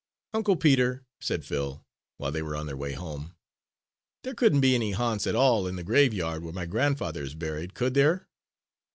"Uncle Peter," said Phil, while they were on their way home, "there couldn't be any ha'nts at all in the graveyard where my grandfather is buried, could there?